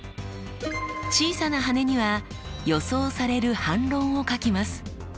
小さな羽には予想される反論を書きます。